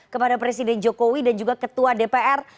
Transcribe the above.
kepada presiden jokowi dan juga ketua dpr